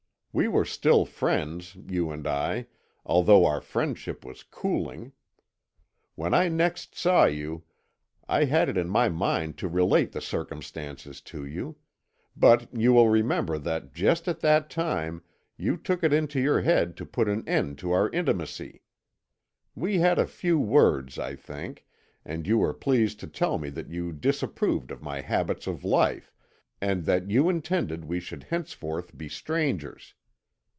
We were still friends, you and I, although our friendship was cooling. When I next saw you I had it in my mind to relate the circumstance to you; but you will remember that just at that time you took it into your head to put an end to our intimacy. We had a few words, I think, and you were pleased to tell me that you disapproved of my habits of life, and that you intended we should henceforth be strangers.